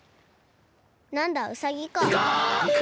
なんだうさぎか。